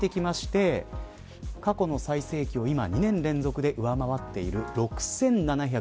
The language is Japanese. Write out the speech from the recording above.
過去の最盛期を２年連続で上回っています。